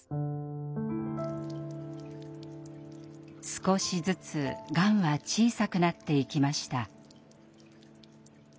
少しずつがんは小さくなっていきました。